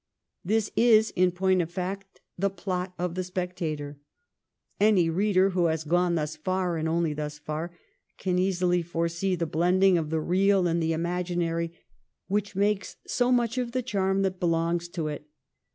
This is, in point of fact, the plot of ' The Spectator.* Any reader who has gone thus far, and only thus far, can easily foresee the blending of the real and the imaginary which makes so much of the charm that belongs to it.